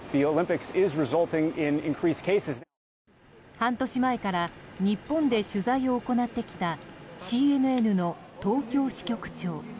半年前から日本で取材を行ってきたＣＮＮの東京支局長。